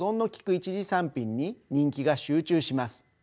一次産品に人気が集中します。